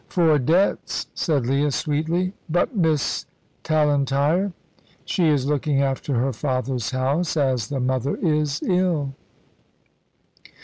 "For debts," said Leah, sweetly; "but Miss Tallentire?" "She is looking after her father's house, as the mother is ill."